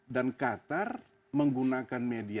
dan qatar menggunakan media ini